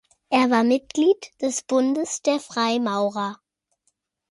Er war Mitglied des Bundes der Freimaurer.